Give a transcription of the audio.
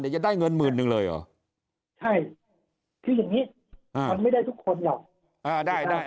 เดี๋ยวจะได้เงินหมื่นหนึ่งเลยเหรอใช่คืออย่างนี้มันไม่ได้ทุกคนหรอก